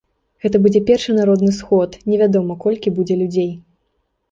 Гэта будзе першы народны сход, невядома, колькі будзе людзей.